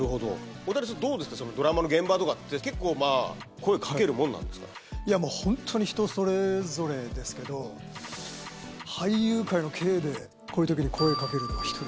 大谷さん、どうですか、ドラマの現場とかって結構、いや、もう本当に人それぞれですけれども、俳優界のＫでこういうときに声をかけるのは１人。